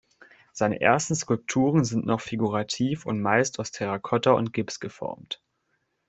Seine ersten Skulpturen sind noch figurativ und meist aus Terrakotta und Gips geformt.